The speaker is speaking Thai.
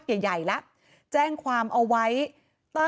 เหตุการณ์เกิดขึ้นแถวคลองแปดลำลูกกา